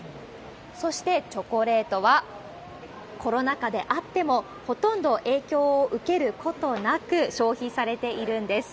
そしてチョコレートは、コロナ禍であっても、ほとんど影響を受けることなく、消費されているんです。